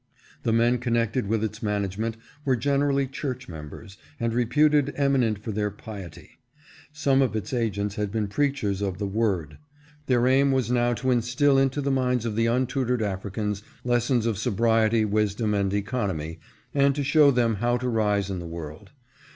The men connected with its management were generally church members, and reputed eminent for their piety. Some of its agents had been preachers of the "Word." Their aim was now to instil into the minds of the untu tored Africans lessons of sobriety, wisdom, and economy, and to show them how to rise in the world.